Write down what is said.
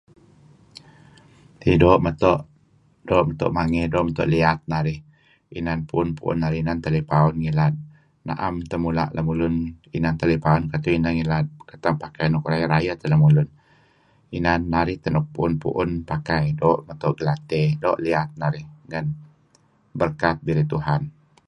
Eh doo' meto' mangey, doo'meto' liyat narih pu'un-pu'un narih inan telepaun ngilad. Na'em teh mula' lemulun inan telepaun ridtu' ineh ngilad pakai nuk rayeh-rayeh teh lemulun , inan narih teh nuk pu'un-pu'un pakai, doo' gelatey, doo' liyat narih. Berkat birey Tuhan.